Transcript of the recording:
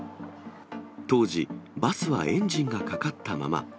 当時、バスはエンジンがかかったまま。